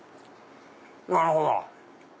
なるほど。